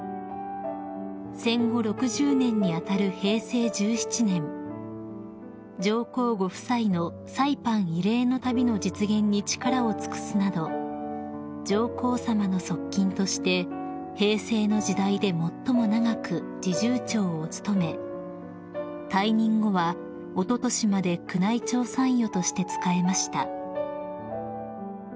［戦後６０年に当たる平成１７年上皇ご夫妻のサイパン慰霊の旅の実現に力を尽くすなど上皇さまの側近として平成の時代で最も長く侍従長を務め退任後はおととしまで宮内庁参与として仕えました］